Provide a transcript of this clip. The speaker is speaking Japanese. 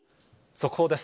速報です。